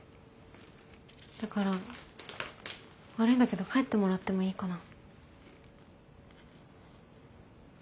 だから悪いんだけど帰ってもらってもいいかな。